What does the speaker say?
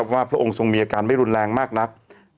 พระองค์ทรงมีอาการไม่รุนแรงมากนัก